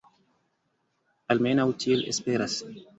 Almenaŭ tiel esperas.